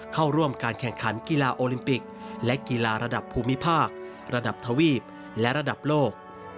เข้าร่วมการแข่งขันกีฬาโอลิมปิกและกีฬาระดับภูมิภาคระดับทวีปและระดับโลก